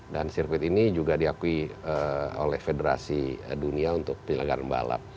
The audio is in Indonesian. dan sirkuit ini juga diakui oleh federasi dunia untuk penyelenggaraan balap